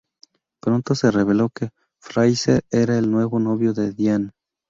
Pronto se reveló que Fraiser era el nuevo novio de Diane.